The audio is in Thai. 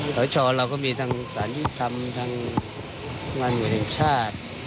สอตชเราก็มีทางสารที่ทำทางงานหัวเนียมชาติ